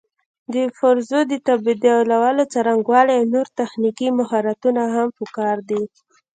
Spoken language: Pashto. د پرزو د تبدیلولو څرنګوالي او نور تخنیکي مهارتونه هم پکار دي.